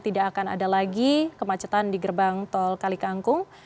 tidak akan ada lagi kemacetan di gerbang tol kali kangkung